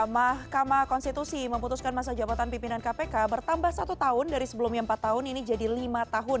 mahkamah konstitusi memutuskan masa jabatan pimpinan kpk bertambah satu tahun dari sebelumnya empat tahun ini jadi lima tahun